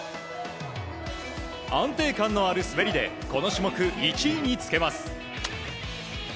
安定感のある滑りでこの種目１位につけます。